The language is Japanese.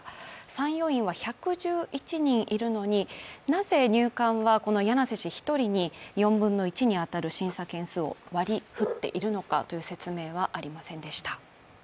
参与員は１１１人いるのになぜ入管は、この柳瀬氏１人に４分の１に当たる審査件数を割りふっているのかに関する説明はありませんでした。